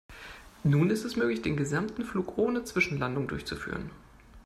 Nun ist es möglich, den gesamten Flug ohne Zwischenlandungen durchzuführen.